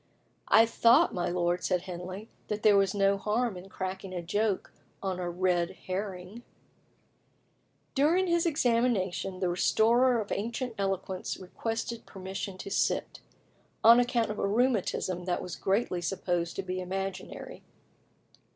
"I thought, my lord," said Henley, "that there was no harm in cracking a joke on a red herring." During his examination, the restorer of ancient eloquence requested permission to sit, on account of a rheumatism that was generally supposed to be imaginary.